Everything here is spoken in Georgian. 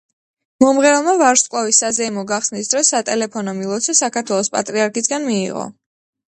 მომღერალმა ვარსკვლავის საზეიმო გახსნის დროს სატელეფონო მილოცვა საქართველოს პატრიარქისგან მიიღო.